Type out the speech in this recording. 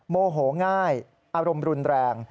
โมโหง่ายอารมณ์รุนแรง